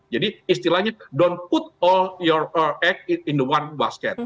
jadi istilahnya don't put all your eggs in one basket